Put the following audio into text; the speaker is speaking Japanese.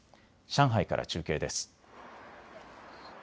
上海から中継です。